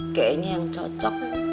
oke ini yang cocok